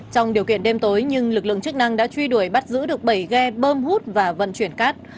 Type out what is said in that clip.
trong điều kiện đêm tối nhưng lực lượng chức năng đã truy đuổi bắt giữ được bảy ghe bơm hút và vận chuyển cát